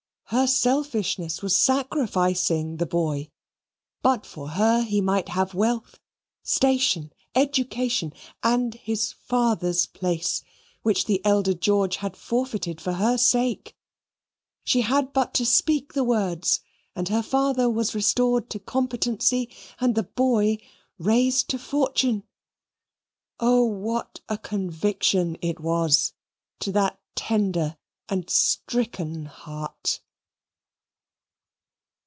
Her selfishness was sacrificing the boy. But for her he might have wealth, station, education, and his father's place, which the elder George had forfeited for her sake. She had but to speak the words, and her father was restored to competency and the boy raised to fortune. Oh, what a conviction it was to that tender and stricken heart!